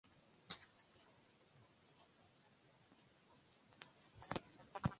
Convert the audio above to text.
Walipoendelea kutawala kama Jamhuri ya watu wa China